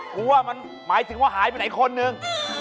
กลัวมันหมายถึงว่าหายไปไหนคนหนึ่ง